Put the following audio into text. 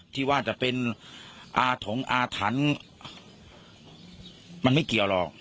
ที่ว่าจะเป็นอาถงอาถรรพ์มันไม่เกี่ยวหรอก